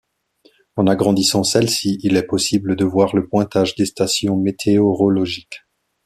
En agrandissant celle-ci, il est possible de voir le pointage des stations météorologiques.